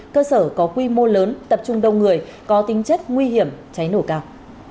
cơ sở có quy mô lớn tập trung đông người có tính chất nguy hiểm cháy nổ cao